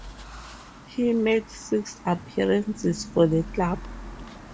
He made six appearances for the club.